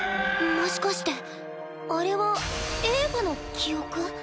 もしかしてあれはエーファの記憶？